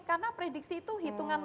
karena prediksi itu hitungan